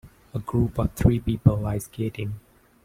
A group of three people ice skating.